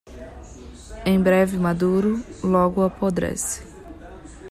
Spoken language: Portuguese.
Em breve maduro, logo apodrece.